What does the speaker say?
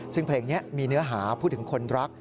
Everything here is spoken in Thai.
ซึ่งเพลงนี้มีเนื้อหาพูดถึงคนรัก